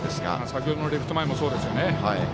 先ほどのレフト前もそうですよね。